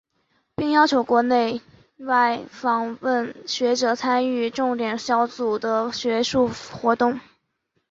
并邀请国内外访问学者参与重点小组的学术活动。